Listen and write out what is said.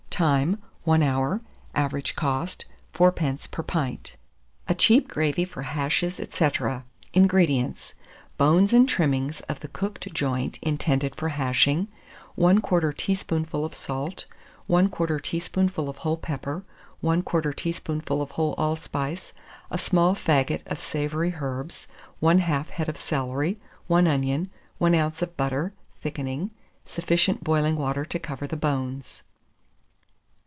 Time. 1 hour. Average cost, 4d. per pint. A CHEAP GRAVY FOR HASHES, &c. 440. INGREDIENTS. Bones and trimmings of the cooked joint intended for hashing, 1/4 teaspoonful of salt, 1/4 teaspoonful of whole pepper, 1/4 teaspoonful of whole allspice, a small faggot of savoury herbs, 1/2 head of celery, 1 onion, 1 oz. of butter, thickening, sufficient boiling water to cover the bones.